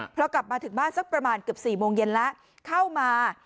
พอกลับมาถึงบ้านสักประมาณเกือบ๔โมงเย็นแล้วเข้ามา